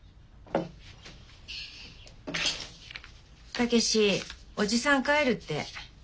武志おじさん帰るって。